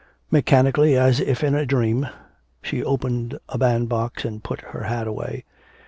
Mechanically, as if in a dream, she opened a bandbox and put her hat away.